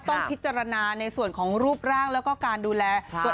ต้องพิจารณาในส่วนของรูปร่างแล้วก็การดูแลตัวเอง